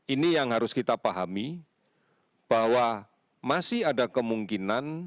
ini yang harus kita pahami bahwa masih ada kemungkinan